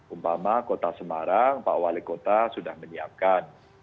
umpama kota semarang pak wali kota sudah menyiapkan